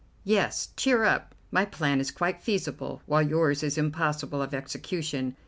Yes, cheer up, my plan is quite feasible, while yours is impossible of execution.